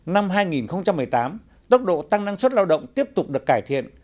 năm hai nghìn một mươi tám tốc độ tăng năng suất lao động tiếp tục được cải thiện